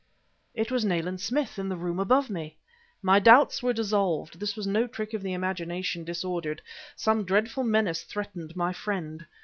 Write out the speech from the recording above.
It was Nayland Smith in the room above me! My doubts were dissolved; this was no trick of an imagination disordered. Some dreadful menace threatened my friend.